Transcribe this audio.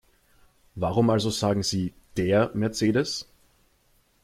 Warum also sagen Sie DER Mercedes?